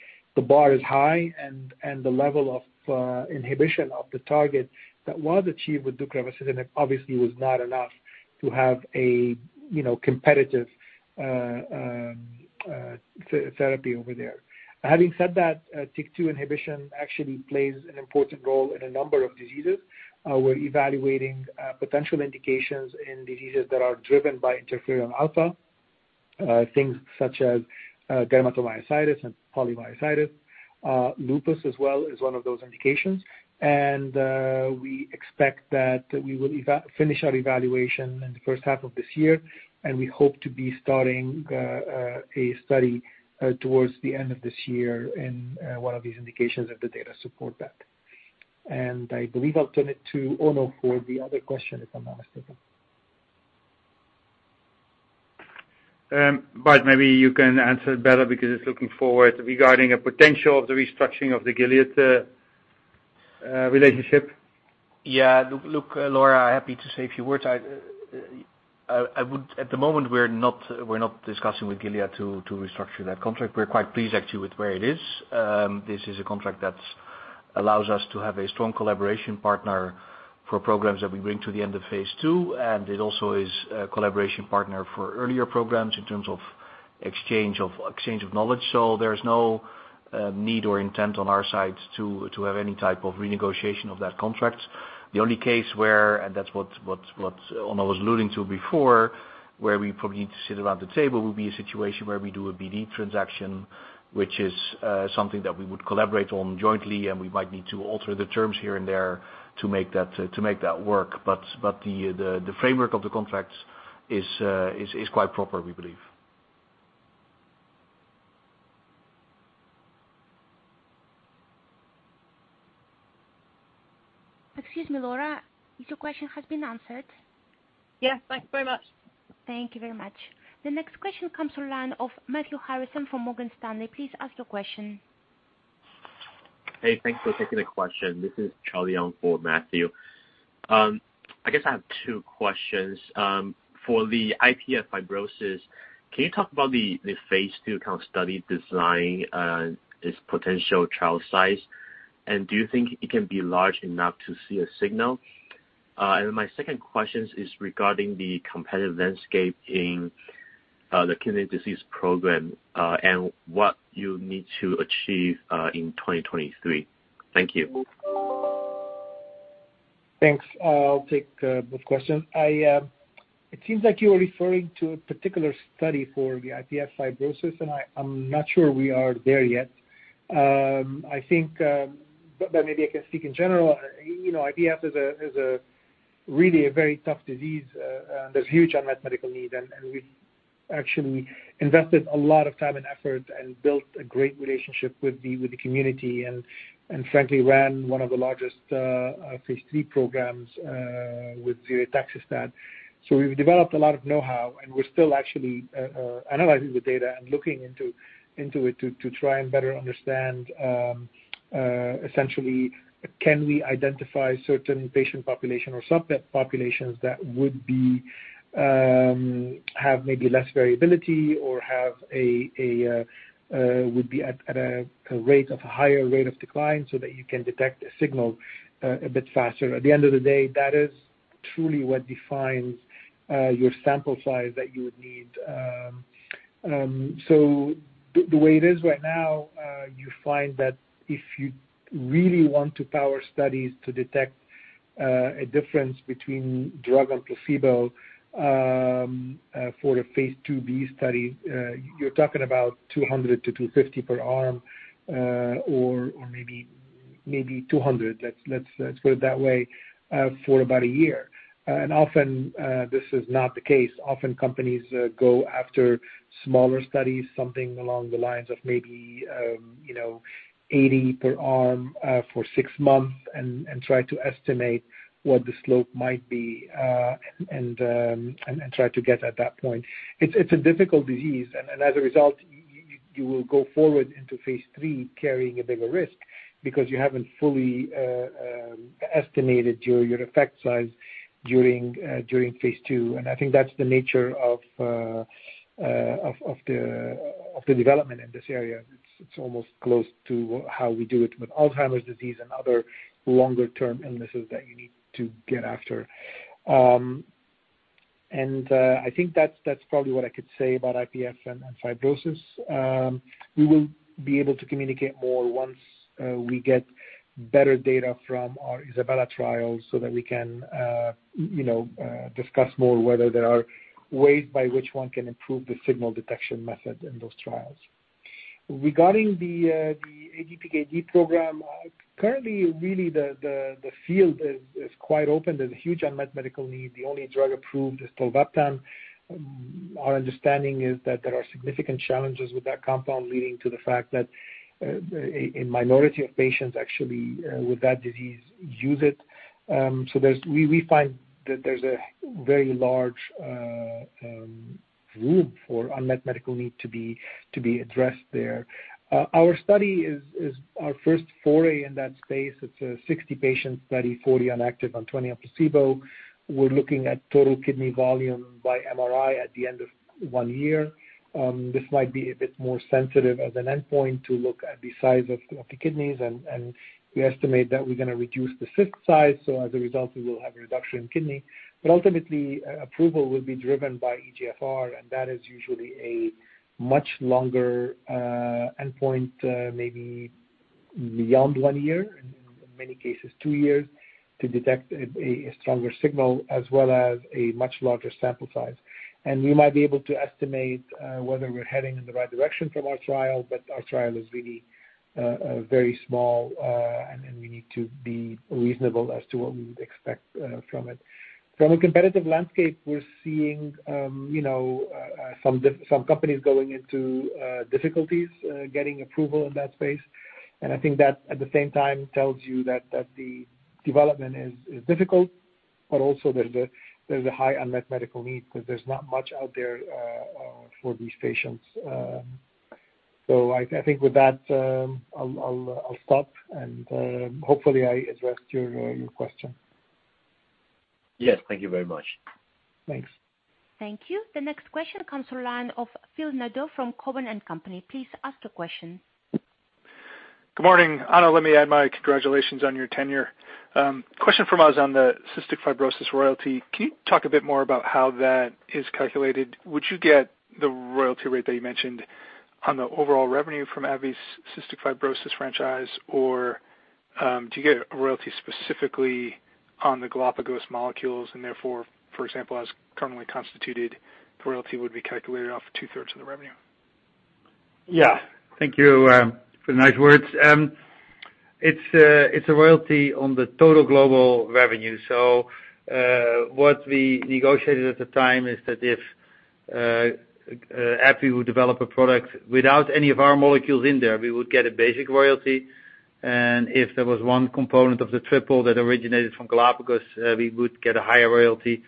bar is high and the level of inhibition of the target that was achieved with deucravacitinib obviously was not enough to have a, you know, competitive therapy over there. Having said that, TYK2 inhibition actually plays an important role in a number of diseases. We're evaluating potential indications in diseases that are driven by interferon alpha, things such as, dermatomyositis and polymyositis. Lupus as well is one of those indications. We expect that we will finish our evaluation in the first half of this year, and we hope to be starting a study towards the end of this year in one of these indications if the data support that. I believe I'll turn it to Onno for the other question if I'm not mistaken. Bart, maybe you can answer it better because it's looking forward regarding a potential of the restructuring of the Gilead relationship. Yeah. Look, Laura, happy to say a few words. At the moment, we're not discussing with Gilead to restructure that contract. We're quite pleased actually with where it is. This is a contract that allows us to have a strong collaboration partner for programs that we bring to the end of phase II, and it also is a collaboration partner for earlier programs in terms of exchange of knowledge. There's no need or intent on our side to have any type of renegotiation of that contract. The only case where, and that's what Onno was alluding to before, where we probably need to sit around the table would be a situation where we do a BD transaction, which is something that we would collaborate on jointly, and we might need to alter the terms here and there to make that work. The framework of the contract is quite proper, we believe. Excuse me, Laura. If your question has been answered? Yes. Thank you very much. Thank you very much. The next question comes from the line of Matthew Harrison from Morgan Stanley. Please ask your question. Hey, thanks for taking the question. This is Charlie on for Matthew. I guess I have two questions. For the IPF fibrosis, can you talk about the phase II kind of study design and its potential trial size? And do you think it can be large enough to see a signal? And my second questions is regarding the competitive landscape in the kidney disease program, and what you need to achieve in 2023. Thank you. Thanks. I'll take both questions. It seems like you're referring to a particular study for the IPF fibrosis, and I'm not sure we are there yet. I think, but maybe I can speak in general. You know, IPF is a really very tough disease. There's huge unmet medical need, and we actually invested a lot of time and effort and built a great relationship with the community, and frankly, ran one of the largest phase III programs with ziritaxestat. We've developed a lot of know-how, and we're still actually analyzing the data and looking into it to try and better understand essentially, can we identify certain patient populations or subpopulations that would have maybe less variability or would be at a higher rate of decline so that you can detect a signal a bit faster. At the end of the day, that is truly what defines your sample size that you would need. The way it is right now, you find that if you really want to power studies to detect a difference between drug and placebo, for a phase IIb study, you're talking about 200-250 per arm, or maybe 200. Let's put it that way, for about a year. Often this is not the case. Often companies go after smaller studies, something along the lines of maybe, you know, 80 per arm, for six months and try to estimate what the slope might be, and try to get at that point. It's a difficult disease. As a result, you will go forward into phase III, carrying a bigger risk because you haven't fully estimated your effect size during phase II. I think that's the nature of the development in this area. It's almost close to how we do it with Alzheimer's disease and other longer-term illnesses that you need to get after. I think that's probably what I could say about IPF and fibrosis. We will be able to communicate more once we get better data from our ISABELA trials so that you know, discuss more whether there are ways by which one can improve the signal detection method in those trials. Regarding the ADPKD program, currently really the field is quite open. There's a huge unmet medical need. The only drug approved is Tolvaptan. Our understanding is that there are significant challenges with that compound, leading to the fact that a minority of patients actually with that disease use it. We find that there's a very large room for unmet medical need to be addressed there. Our study is our first foray in that space. It's a 60-patient study, 40 on active and 20 on placebo. We're looking at total kidney volume by MRI at the end of one year. This might be a bit more sensitive as an endpoint to look at the size of the kidneys. We estimate that we're gonna reduce the cyst size, so as a result, we will have a reduction in kidney. Ultimately, approval will be driven by eGFR, and that is usually a much longer endpoint, maybe beyond one year, in many cases two years, to detect a stronger signal as well as a much larger sample size. We might be able to estimate whether we're heading in the right direction from our trial, but our trial is really very small, and then we need to be reasonable as to what we would expect from it. From a competitive landscape, we're seeing, you know, some companies going into difficulties getting approval in that space. I think that, at the same time, tells you that the development is difficult, but also there's a high unmet medical need 'cause there's not much out there for these patients. I think with that, I'll stop, and hopefully I addressed your question. Yes. Thank you very much. Thanks. Thank you. The next question comes from the line of Phil Nadeau from Cowen and Company. Please ask your question. Good morning. Onno, let me add my congratulations on your tenure. Question from us on the cystic fibrosis royalty. Can you talk a bit more about how that is calculated? Would you get the royalty rate that you mentioned on the overall revenue from AbbVie's cystic fibrosis franchise? Or, do you get a royalty specifically on the Galapagos molecules, and therefore, for example, as currently constituted, the royalty would be calculated off 2/3 of the revenue? Yeah. Thank you for the nice words. It's a royalty on the total global revenue. What we negotiated at the time is that if AbbVie would develop a product without any of our molecules in there, we would get a basic royalty. If there was one component of the triple that originated from Galapagos, we would get a higher royalty.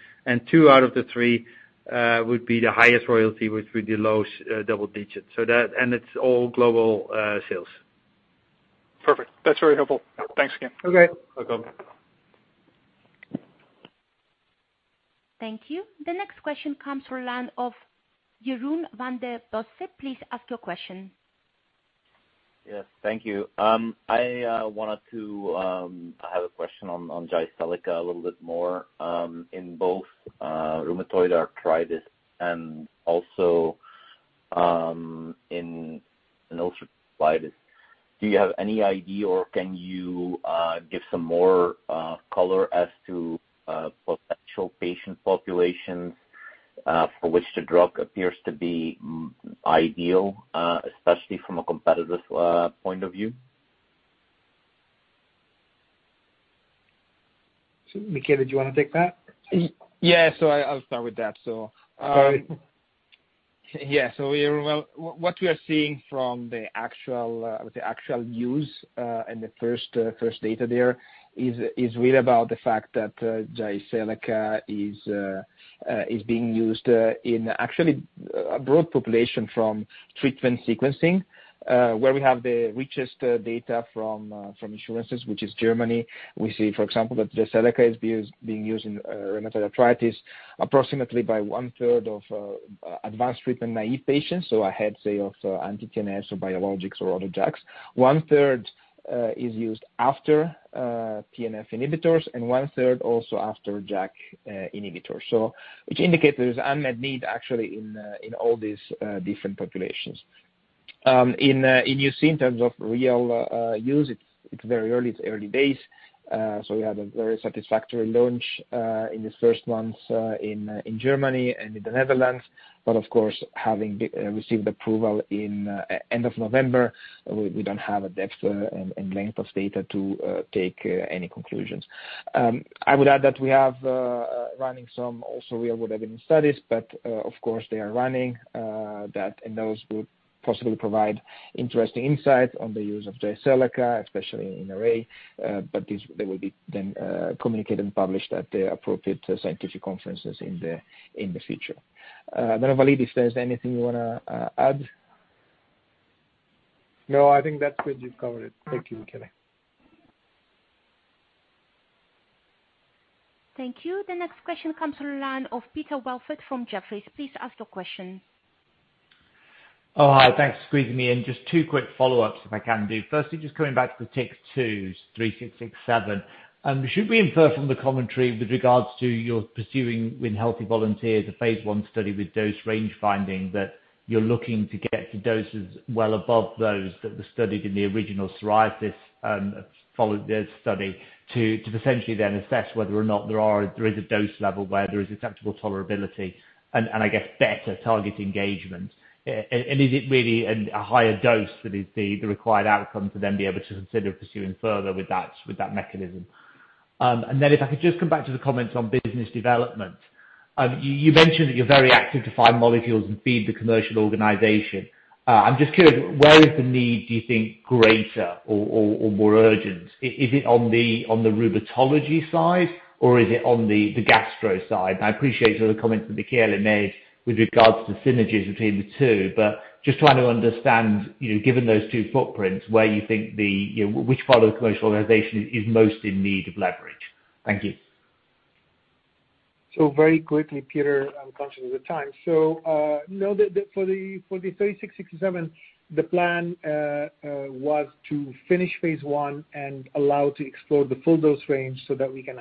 Two out of the three would be the highest royalty, which would be the low double-digit. It's all global sales. Perfect. That's very helpful. Thanks again. Okay. Welcome. Thank you. The next question comes from line of Jeroen Van den Bossche. Please ask your question. Yes. Thank you. I have a question on Jyseleca a little bit more in both rheumatoid arthritis and also in lupus or psoriasis. Do you have any idea or can you give some more color as to potential patient populations for which the drug appears to be ideal, especially from a competitive point of view? Michele, do you wanna take that? Yeah. I'll start with that. Go ahead. What we are seeing from the actual use and the first data there is really about the fact that Jyseleca is being used in actually a broad population from treatment sequencing. Where we have the richest data from insurances, which is Germany. We see, for example, that Jyseleca is being used in rheumatoid arthritis approximately by 1/3 of advanced treatment naive patients, so ahead, say, of anti-TNF or biologics or other JAKs. One-third is used after TNF inhibitors and 1/3 also after JAK inhibitors. Which indicates there's unmet need actually in all these different populations. In UC in terms of real use, it's very early. It's early days. We had a very satisfactory launch in the first months in Germany and in the Netherlands. Of course, having received approval in end of November, we don't have a depth and length of data to take any conclusions. I would add that we have running some also real world evidence studies, but of course they are running that and those will possibly provide interesting insights on the use of Jyseleca, especially in RA. These will be then communicated and published at the appropriate scientific conferences in the future. Walid, if there's anything you wanna add. No, I think that's good. You've covered it. Thank you, Michele. Thank you. The next question comes from the line of Peter Welford from Jefferies. Please ask your question. Oh, hi. Thanks for squeezing me in. Just two quick follow-ups if I can do. Firstly, just coming back to TYK2's '3667. Should we infer from the commentary with regards to your pursuing with healthy volunteers a phase I study with dose range finding that you're looking to get to doses well above those that were studied in the original psoriasis study to essentially then assess whether or not there is a dose level where there is acceptable tolerability and I guess better target engagement? And is it really a higher dose for the required outcome to then be able to consider pursuing further with that mechanism? And then if I could just come back to the comments on business development. You mentioned that you're very active to find molecules and feed the commercial organization. I'm just curious, where is the need, do you think greater or more urgent? Is it on the rheumatology side or is it on the gastro side? I appreciate the other comments that Michele made with regards to synergies between the two. Just trying to understand, you know, given those two footprints, where you think, you know, which part of the commercial organization is most in need of leverage. Thank you. Very quickly, Peter, I'm conscious of the time. Know that for the '3667, the plan was to finish phase I and allow to explore the full dose range so that we can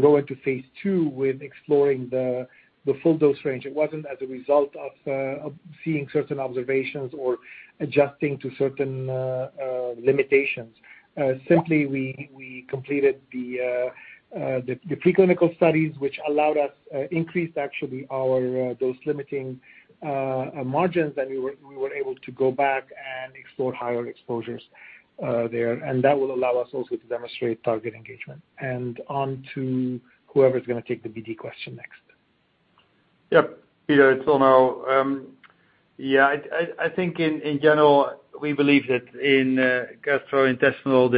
go into phase II with exploring the full dose range. It wasn't as a result of seeing certain observations or adjusting to certain limitations. Simply we completed the preclinical studies, which allowed us increase actually our those limiting margins that we were able to go back and explore higher exposures there. That will allow us also to demonstrate target engagement. On to whoever's gonna take the IBD question next. Yep. Peter, it's Onno. Yeah, I think in general we believe that in gastrointestinal,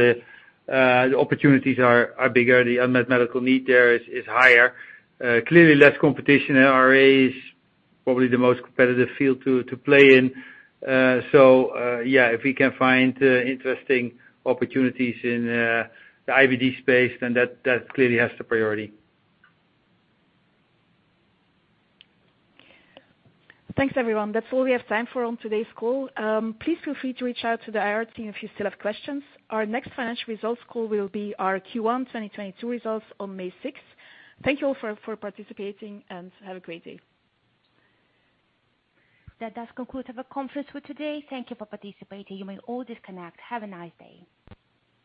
the opportunities are bigger. The unmet medical need there is higher. Clearly less competition. RA is probably the most competitive field to play in. Yeah, if we can find interesting opportunities in the IBD space, then that clearly has the priority. Thanks, everyone. That's all we have time for on today's call. Please feel free to reach out to the IR team if you still have questions. Our next financial results call will be our Q1 2022 results on May 6th. Thank you all for participating and have a great day. That does conclude our conference for today. Thank you for participating. You may all disconnect. Have a nice day.